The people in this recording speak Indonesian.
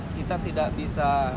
kita tidak bisa